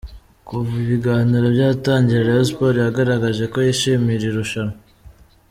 Kuva ibiganiro byatangira, Rayon Sports yagaragaje ko yishimiye iri rushanwa.